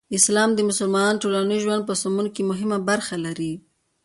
اسلام د مسلمانانو د ټولنیز ژوند په سمون کې مهمه برخه لري.